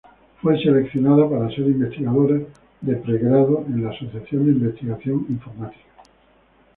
Fue seleccionada para ser investigadora de pregrado en la Asociación de Investigación Informática.